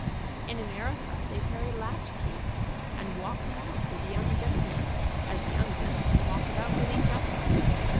In America they carry latch keys, and walk about with young gentlemen as young gentlemen walk about with each other.